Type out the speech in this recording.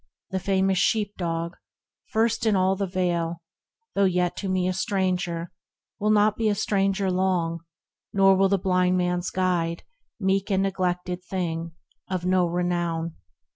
The famous sheep dog, first in all the vale, Though yet to me a stranger, will not be A stranger long ; nor will the blind man's guide, Meek and neglected thing, of no renown